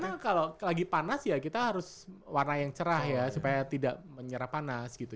karena kalau lagi panas ya kita harus warna yang cerah ya supaya tidak menyerap panas gitu